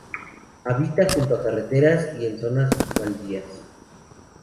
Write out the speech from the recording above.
Habita junto a carreteras y en zonas baldías.